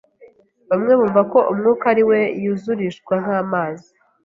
Bamwe bumva ko Umwuka ari We yuzurishwa nk'amazi